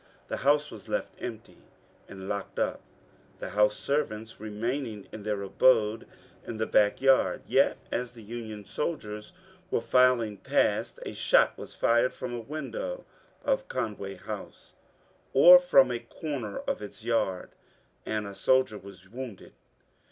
The house was left empty uid locked up, the house servants remaining in their abode in the back yard. Yet as the Union soldiers were filing past a shot was fired from a window of Conway House, or from a comer of its yard, and a soldier wounded.